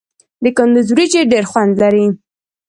د کندز وریجې ډیر خوند لري.